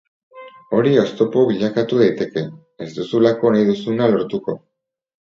Hori oztopo bilakatu daiteke, ez duzulako nahi duzuna lortuko.